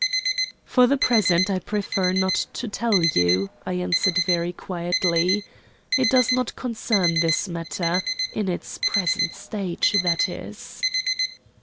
"For the present I prefer not to tell you," I answered very quietly. "It does not concern this matter in its present stage, that is."